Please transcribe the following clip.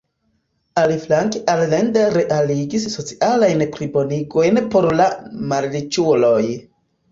Aliflanke Allende realigis socialajn plibonigojn por la malriĉuloj.